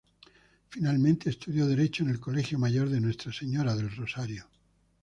Finalmente estudió derecho en el Colegio Mayor de Nuestra Señora del Rosario.